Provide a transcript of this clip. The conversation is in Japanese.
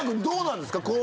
どうなんですか？